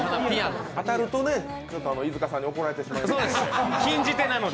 当たるとね、飯塚さんに怒られてしまいますので。